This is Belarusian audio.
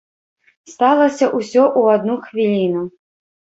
Сталася ўсё ў адну хвіліну.